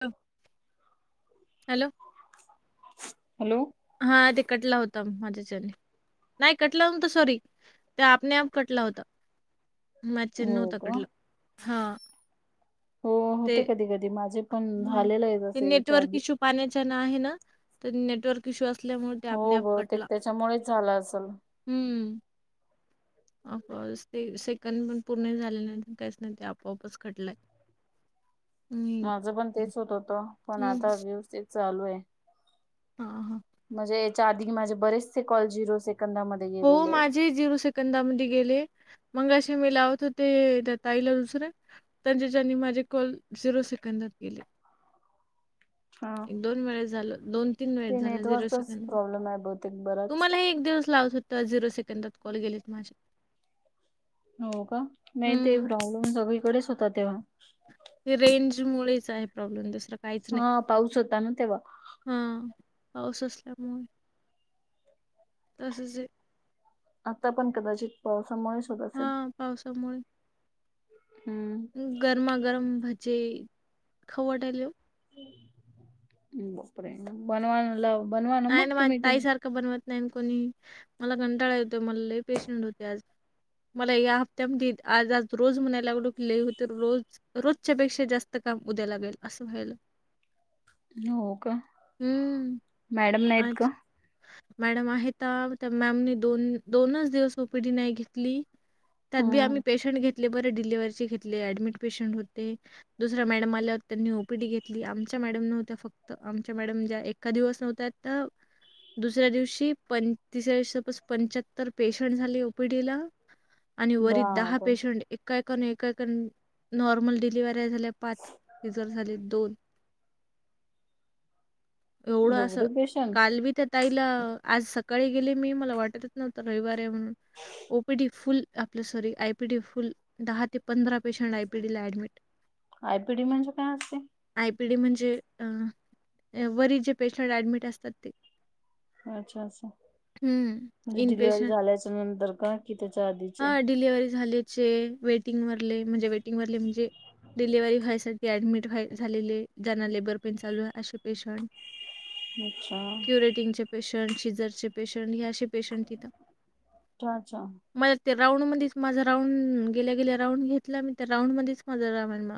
[unintelligible] Hello? Hello? हा ते कटला होता माझ्याच्याने नाही कटला न्हव्हत सॉरी, त्या आपने आप कटला होता. माजाच्याने हो नवता का कटला, हा. हो होते कधी कधी माझे पण झालेलं आहे, तसें याच्या आधी. पाण्याचा ना आहे ना तर नेटवर्क इशू असल्यामुळे त्या हो आपने आप बहुतेक कटला, त्याच्यामुळेच झाला असेल हम्म. अ ते सेकंड पण पूर्ण झाले नाही, काहीच नाही, ते आपोआपच कटलंय. माझं पण हं. तेच होत होत, पण आता व्यवस्थित तेच चालू आहे. हा हा. म्हणजे याच्या आधी माझे बरेचसे कॉल झिरो सेकंदामध्ये हो गेलेले आहेत माझे झिरो सेक कंदामध्ये गेले, मंग अशे मि लावत होते त्या ताईला दुसऱ्या त्यांच्या ज्याने माझे कॉल झिरो सेकंदात गेले. हा एक दोन वेळेस झाल, दोन तीन वेळेस ते झालं, झिरो नेटवर्कचाच सेकंद, प्रॉब्लेम आहे बहुतेक बराच तुम्हाला ही एक दिवस लावत होते. तर झिरो सेकंदात कॉल गेलेत माझे. हो का? नाही ते हम्म प्रॉब्लेम सगळीकडेच होता तेव्हा. रेंज मुळेच आहे प्रॉब्लेम दुसरा हा पाऊस होता ना तेव्हा. हा, पाऊस असल्यामुळे तसच आता पण कदाचित पावसामुळेच होत असेल. हां पावसामुळे? हम्म गरमा गरम भजे, खाऊ वाटालंय ओ. बापरे, मग बनवाय लाव. नाही ना माझ ताईसारखं बनवत नाही ना कोणी, मला कंटाळा येतो मला लय पेशंट होते आज. मला या हप्त्यामध्ये आज आज रोज म्हणायला लागलो की लई होते रोज रोजच्यापेक्षा जास्त काम उद्या लागेल, असं व्हायला हो का, हम्म मॅडम नाहीत आज का? मॅडम आहेत, त्या मॅमने दोन दोनच दिवस ओपीडी नाही घेतली. त्यातबी आम्ही हम्म पेशंट घेतले बरे, डिलिव्हरचे घेतले ऍडमिट पेशंट होते. दुसऱ्या मॅडम आल्या होत्या त्यांनी ओपीडी घेतली, आमच्या मॅडम नव्हत्या फक्त, आमच्या मॅडम ज्या एका दिवस नव्हत्या त दुसऱ्या दिवशी प, तिसऱ्या दिवशी पंच्याहत्तर पेशंट झाले ओपीडी ला. आणि वरी दहा बापरे पेशंट, एका एकाने एकाने नॉर्मल डी वाऱ्या झाल्या पाच, सिजर झाले दोन. एवढं असं एवढे पेश काल बी त्या ताईला, आज सकाळी गेले मी मला वाटत नव्हतं काय वार आहे म्हणून, ओपिडी फुल आपलं सॉरी आयपीडी फुल, दहा ते पंधरा पेशंट आयपीडी ला ऍडमिट आयपीडी म्हणजे काय असते? आयपीडी म्हणजे, वरीचे जे पेशंट ऍडमिट असतात ते. अच्छा असं, हं. म्हणजे डिलिव्हरी इनपेशंट झाल्याच्या नंतर का, कि त्याच्या आधी? हा डिलेव्हरी झाल्याचे, वेटिंग वरले म्हणजे वेटिंग वरले म्हणजे डिलिव्हरी व्हायसाठी ऍडमिट व्हाय झालेले, ज्यांना लेबर पेन चालू आहे असे पेशंट. [inaudible] अच्छा. वेटिंगचे पेशंट, शिजरचे पेशंट हेे पेशंट अशे तिथं, अच्छा अच्छा म त्या राऊंड मध्येच माझा राऊंड, गेल्या गेल्या राऊंड घेतला मी, त्या राऊंड मध्येच माझा राऊंड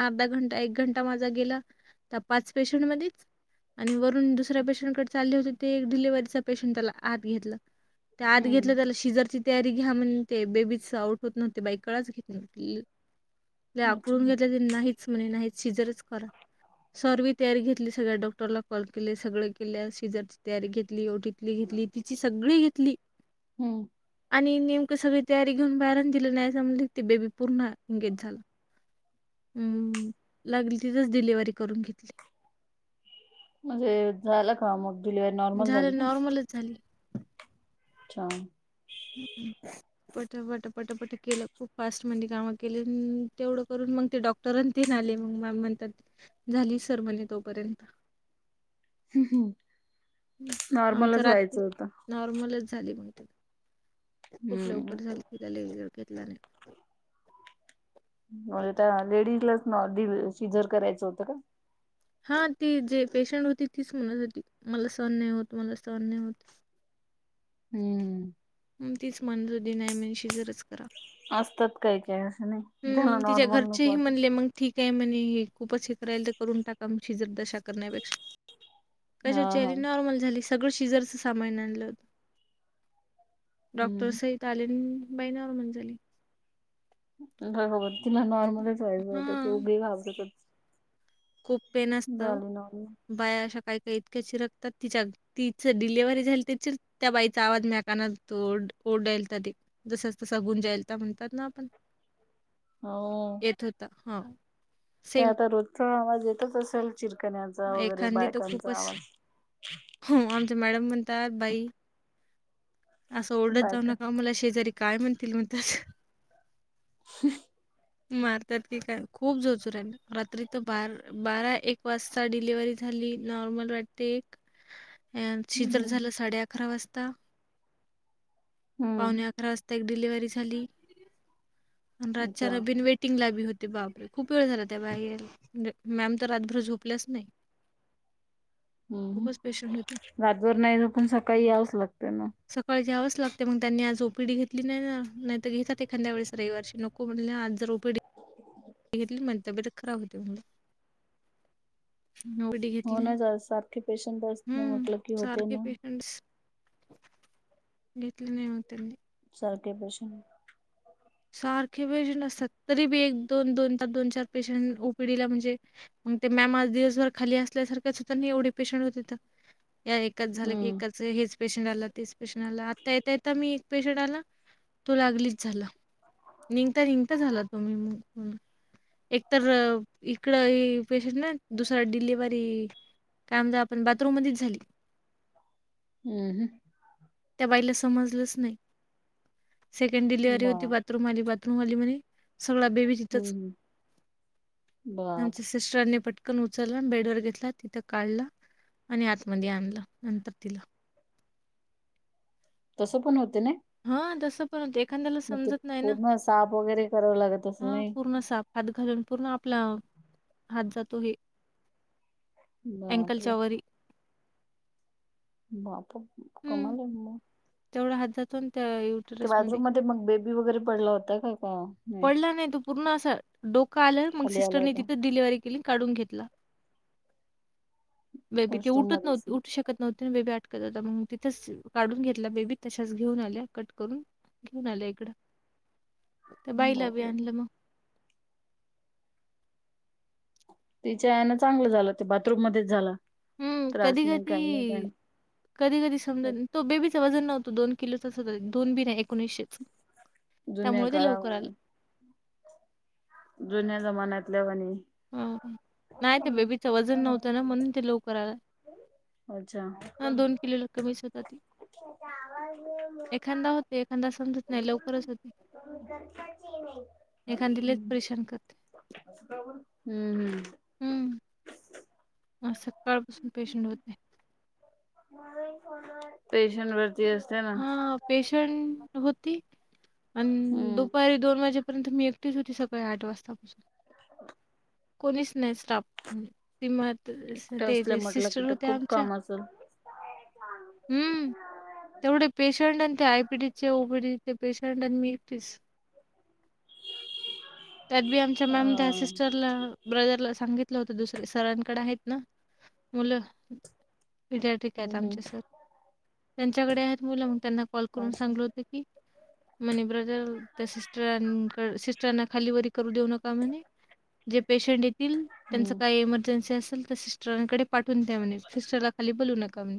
अर्धा घंटा एक घंटा माझा गेला, त्या पाच पेशंट मध्येच. आणि वरून, दुसऱ्या पेशंटकडे चालले होते ते एक डिलिव्हरीचा पेशंट त्याला आत घेतला. ते आत हम्म घेतलं त्याला शिजरची तयारी घ्या म्हण, ते बेबीच आऊट होत नव्हते बाई कळाच घेत नव्ह लय अच्छा आकडून घेतलं त्यानी नाहीच म्हणे नाहीच शिजरच करा. सर्वी तयारी घेतली, सगळ्या डॉक्टरला कॉल केले, सगळे केल्या सीजरची तयारी घेतली एवढी ली घेतली, तिची सगळी घेतली. हम्म आणि नेमकं सगळी तयारी घेऊन बाहेरण दिलं नाहीसा म्हणून, ते बेबी पूर्ण एंगेज झालं. हम्म, लागलीच तिथंच डिलिव्हरी करून घेतली. म्हणजे झालं का, मग डिलिव्हरी नॉर्मल झाली का? मलच झाली. अच्छा हम्म हम्म पट पट पट पट केलं, खूप फास्ट मध्ये कामं केली, तेवढं करून मग ते डॉ टर अन तेन आले, मग म म्हणतात झाली सर म्हणे तोपर्यंत. हं, आमचं नॉर्मलच रात्री व्हायचं होतं. नॉर्मलच झाली मग तिला, खूप हम्म लवकर झाली तिला लय वेळ घेतला नाही. म्हणजे त्या लेडीजलाच ना शिजर करायचं होतं का? हा ती जे पेशंट होती तीच म्हणत होती, मला सहन नाही होत मला सहन नाही होत. हम्म म तिच म्हणत होती नाय मी शिजरच असतात काही काही असं नाही, हं, ज्याला तिच्या नॉर्मल नको घरचेही अस म्हणले, "मग ठीक आहे म्हणे, खूपच हे करायल तर करून टाका मग शिजर दशा करण्यापेक्षा. हा हा कशाचीली नॉर्मल झाली सगळं शिजरच सामान आणलं होत. हम्म डॉक्टरसहित आलेली बाई नॉमल झाली. बबर तिला नॉर्मलच व्हायचं होतं ते हां, उगे घाबरत. खूप पेन असत नॉर्मल. बाया अशा काही काही इतक्या चिरकतात तिच्या तिच डिलिव्हरी झाल ति त्या बाईचा आवाज मॅकाना तो ओढाल जसंच तसं गुंजाल तर म्हणतात ना आपण हो. येत होता हा. ते आता रोजचा आवाज येतच असेल चिरकण्याचा वगैरे बायकांचा आवाज हम्म, आमच मॅडम म्हणतात बाई. असं ओरढत जाऊ बायका नका मला शेजारी काय म्हणतील म्हणत्यात. ह. मारतात की काय खूप जोजोरला रात्री तर बार बारा एक वाजता डिलवर्हरी झाली नॉर्मल वाटते एक यांची हम्म तर हम्म झालं साडे अकरा वाजता. पावणे हम्म अकरा वाजता एक डिलिव्हरी झाली, आणि अच्छा रातच्या बीन वेट टिंग लागली होते बापरे खूप वेळ झाला त्या बाहेर मॅम तर रातभर झोप प्लस नाही. हम्, खूपच पेशंट होते रातभर नाही झोपून सकाळी यावच लागते ना. सकाळी घ्यावंच लागते मग त्यांनी आज ओपीडी घेतली नाही ना नाही तर घेतात एखाद्या वेळीस रविवार ची नको म्हट आज. जर. पु घेतली म्हण तब्येत खराब होते म्हणला नोबिटी घेतली हो नाही, ना जा सारखे पेशंट असते हम्म म्हटलं की होते सारखे ना पेशंट्स घेतले नाही म त्यांनी. सारखे पेशंट. सारखे पेशंट असतात. तरी भी एक, दोन, दोन, दोन, चार पेशंट ओ पी डी ला म्हणजे. मग ते मॅम आज दिवसभर खाली असल्यासारख्या सुद्धा नाही एवढे पेशंट होते. कट झालं की हम्म एकच. हेच पेशंट आला, तेच पेशंट आला, आता येता यता मी एक पेशंट आला तो लागलीच झाला. निघता निघता झाला तुम्ही. एक तर इकड पेशंट ना, दुसरा डिलेवरी काम ज आपण बाथरूम मधच झाली. हम् हम. त्या बाईला समजलंच नाही. सेकंड डिलव्हरी बा होती. बाथरूम बाथरूम मधे म्हणे सगळा बेबी तिथच. हम्म बाप सिस्टरने पटकन उचललं, बेड वर घेतला तिथं काढला. आणि आतमध्ये आणलं नंतर तिला. तसं पण होते ना. हा तसं पण होत, एखाद्याला मग ते समजत नाही ना, पूर्ण साफ वगैरे करावं लागत असेल हा नाही पूर्ण साप हात घालून पूर्ण आपला हात जातो हे. अँकलच्या बापरे! वरी. बाप, हं, कमालच मग. तेवढा हातातून [unintelligible] ते बाथरूम मध्ये मग बेबी वगैरे पडला होता काय का. पडला नाही. तो पूर्ण असा डोका आला मग खाली आला सिस्टरने होता तिथंच डिलिव्हरी केली काढून घेतला. बेबी ते वॉशरूम उटत मध्येच नव्ह उठू शकते. कत नव्हती बेबी आटकत होता. मग तिथेच काढून घेतला बेबी तशच घेऊन आल्या कट करून. झाल इकडं. त्या बाईला बी बापरे आणलं मग. तिच्यान चांगलं झालं ते बाथरूम मध्येच झालं. हम्म, कधी कधी. कधी कधी समजा तो बेबीच वजन नव्हतं दोन किलो त दोन बीन एकोणीसशेच दुन्या काळा जुन्या जमान्यातल्या वणी हो नाही ते बेबीच वजन नव्हतं ना म्हणून ते लवकरला अच्छा हा दोन किलोला कमीच होत ती एखादा होते एखादा समजत नाही लवकरच होते णे एखादलेच परेशान करत हम्म हम्म हम्म सकाळपासून पेशंट होते पेशंट वरती असते ना हां, पेशंट होती आणि हम्म दुपारी दोन वाजेपर्यंत मी त होती सकाळी आठ वाजतापासून कोणीच नाही स्टाफ ति म एकटं ते असल्या ज म्हटलं की सिस्टर तर होते खूप आमच्या काम असेल हम्म तेवढे पेशंट आणि ते आयपीडीचे ओपीडीचे पेशंट आणि मीस त्यात बी आमच्या अ मॅम त्या सिस्टरला ब्रदरला सांगितलं होत दुसरे सरांकडे आहेत ना मुलं विद्यार्थिक हम्म आहेत आमच्या हम्म सर त्यांच्याकडे आहेत मुलं मग त्यांना कॉल करून असं सांगलं होत की मनी ब्रदर त्या सिस्टर अ सिस्टर खालीवररी करू देऊ नका जे पेशंट त्यांच हम्म काही इमर्जन्सी असेल तर सिस्टरांकडे पाठवून द्या म्हणे सिस्टरला खाली बोलू नका म्ह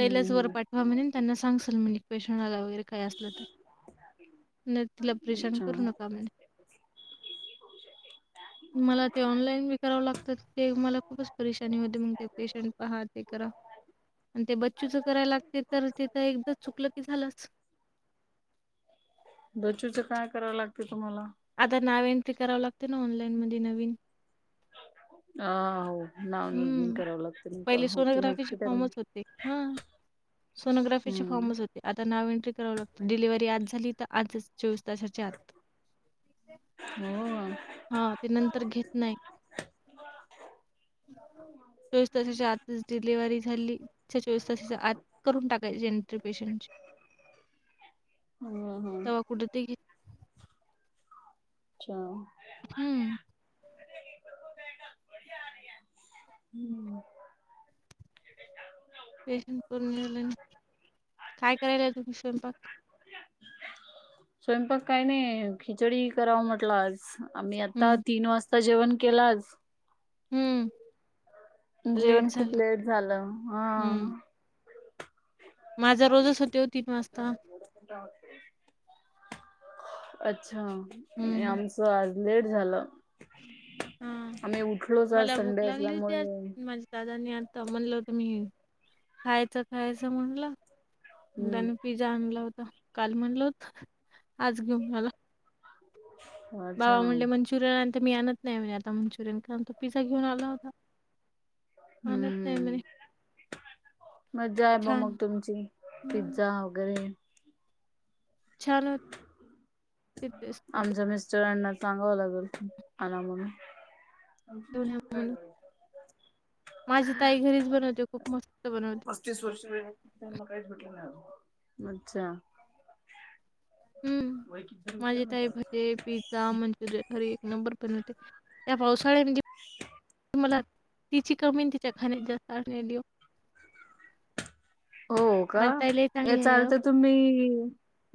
हम्म वर हम्म पाठवा म्हणे त्यांना सांगाल म्ह पेशनला वगैरे काय असलं तर तिला परेशान अच्छा. करू नका म्ह [unintelligible] मला ते ऑनलाईन बी करावं लागतात ते मला खूपच परेशानी होते मग ते पेशंट पाहात ते करा आणि ते बच्चूच करायला लागते तर ते तर एकदा चुकलं की झालंच दचूचं काय करावं लागते तुम्हाला आता नाव एंट्री करावं लागते ना ऑनलाईन मध्ये नवीन ह हो नाव नोंदणी हम्म करावी लागते नाही का पहिले होती सोनोग्राफीचे हॉस्पिटल फॉर्मच होते हा सोनोग्राफीचे हम्म. फॉर्मच होते आता नाव एंट्री करावं लागतं डिलिव्ही आज झाली तर आजच चोवीस तासाच्या आत हो हा ते नंतर घेत नाही ह त तसााची आताच डिलिव्ही झाली चोवीस तासाच आत करून टाकायचे नटर पेशंट हम् हम् अच् च हम्म हम्म पेशंट करून काय करायलाय तुम्ही स्वयंपाक स्वयंपाक काही नाही खिचडी कराव म्हटलं आज आम्ही आता हं, तीन वाजता जेवण केलाच हम्म जेवण खूप लेट झालं हा हं. माझा रोजच तेव तीन वाजता अच्छा हं. आम आज लेट झालं हां. आम्ही उठलोच आज मला भूक संडे लागली होती आज. असल्यामुळे माझ्या दादा न म्हणलं तुम्ही खायच खायचं हम्म. म्हणलं पिझ्झा आणला होत काल म्हणल होत आज घेऊन आला. अच्छा बाबा म्हटले मंचुरियन आण त मी आणत नाय म्हणे आता मंचुरियन कारण तो पिझ्झा घेऊन आला होता. आणत नाही हम्म म्हणे. मज्जा आहे ब छान मग तुमची हं. पिझ्झा वगैरे छान होत आमच्या मिस्टरांना सांगाव लागल आणा म्हणून आमचे घेऊन या मिस्टर काय म्हणून. करायचं. माझी ताई घरीच बनवते खूप मस्त बनवते. पतीस वर्ष न त्यानां काहीचं भेटलं नाय अजून हं. व्यय किती माझी ताई भजे, पिझ्झा, मंचुरियन घरी एक नंबर बनवते. त्या पावसाळ्या म्हणज मला तिची कमी तिच्या खाण्याची जास्त आठवण येऊ राहिली ओ हो का माझी ताई लई चांगली याचा आहे हो. अर्थ तुम्ही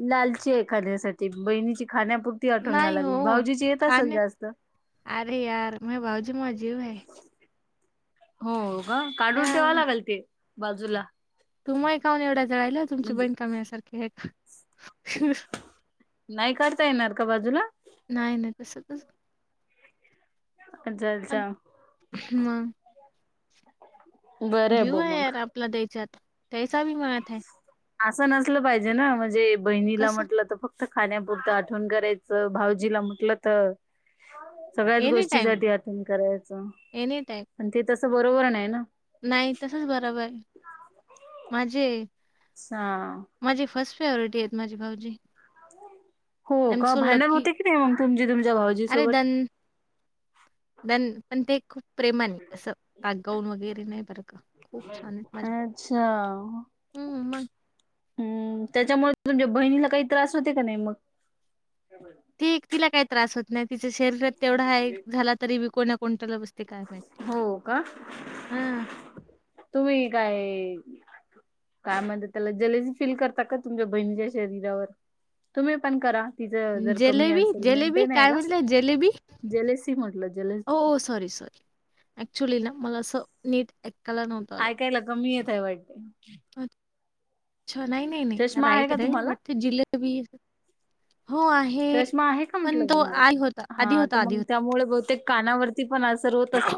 लालची ये एखाद्यासाठी बहिणीची खाण्यापूर ती आठवण यायला नाही लागली हो. भाऊजीची येत असल खाण्यात जास्त अरे यार मये भाऊजी मआ जीव हाय हो का काढून ठेवाव लागल ते बाजूला तुमही काऊन एवढ्या जळायल्या तुमची म्हणजे बहीण का मया सारखी हय का नाय काढता येणार का बाजूला नाय नाय तस कस अजा अजा हं मं बरं आहे ब जीव हाय मग यार आपला त्यायच्यात त्यायचा बी मायात हाय असं नसलं पाहिजे ना म्हणजे बहिणीला कसं? म्हटलं त फक् क्त खाण्यापुरतं आठवण करायचं भाऊजीला म्हटलं तर सगळ्याच एनी टाईम, गोष्टीसाठी आठवण करायचं एनी टाईम. पण ते तसं बरोबर नाय ना नाही तसच बरोबर ये माझे सा माझी फर्स्ट फेव्हरेट हेत माझे भाऊजी हो का भांडण लकी. होते की नाय मंग तुमचे तुमच्या भाऊजी अरे सोबत दं दन पण ते खूप प्रेमाने असं आगगाऊन वगैरे नाही बरं का खूप छान माझे अच्छा का ओ हम्म त्याच्यामुळे तुमच्या बहिणीला काही त्रास होते का नाय मग ठीक तिला काय त्रास होत नाही तिच शरीरात तेवढा हाय झाला तरी बी कोणा कोणटाला बसते काय माहित हो का तुम्ही काय काय म्हणता त्याला जलेसी फील करतात का तुमच्या बहिणीच्या शरीरावर तुम्ही पण करा तिचं जर कमी जलेबी, असेल जलेबी मेंटेन आहे काय का म्हणल्या जलेसी म्हटलं जले ओ सॉरी सॉरी ऍक्च्युली ना मला असं नीट ऐकायला नव्ह ऐकायला कमी येतय वाटतेय. अच्छ नाही नाही चष्मा आहे का तुम्हाला? नाही [unintelligible] जिलीबी असं चष्मा आहे का म्हटलं तो आधी होता, तुम्हाला आधी हा त होता, आधी मंग त्यामुळ बहुतेक कानावर वरती पण असर होत असलं होता.